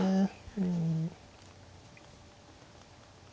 うん。